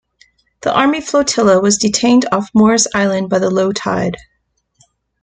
The army flotilla was detained off Morris Island by the low tide.